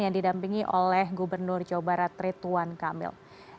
yang didampingi oleh gubernur jawa barat rituan kamil